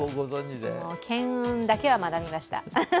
巻雲だけは学びました。